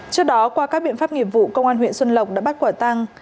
trước đó qua các biện pháp nghiệp vụ công an huyện xuân lộc đã bắt quả tăng